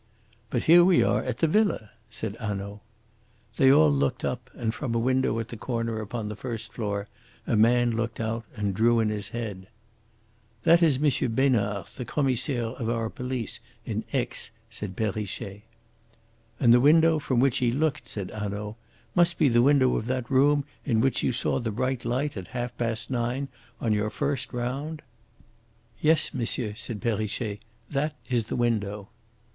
"But here we are at the villa," said Hanaud. They all looked up and, from a window at the corner upon the first floor a man looked out and drew in his head. "That is M. Besnard, the Commissaire of our police in Aix," said Perrichet. "And the window from which he looked," said Hanaud, "must be the window of that room in which you saw the bright light at half past nine on your first round?" "Yes, m'sieur," said Perrichet; "that is the window."